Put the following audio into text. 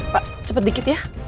pak cepet dikit ya